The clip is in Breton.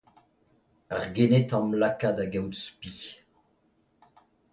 Ar gened a'm laka da gaout spi.